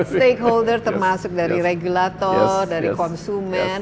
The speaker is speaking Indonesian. stakeholder termasuk dari regulator dari konsumen